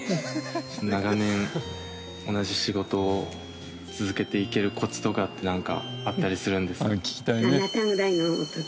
長年同じ仕事を続けていけるコツとかってなんかあったりするんですか？